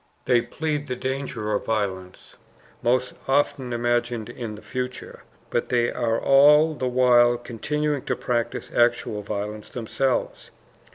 They plead the danger of violence most often imagined in the future but they are all the while continuing to practice actual violence themselves.